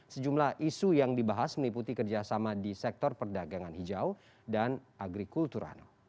sejumlah isu yang dibahas meliputi kerjasama di sektor perdagangan hijau dan agrikulturan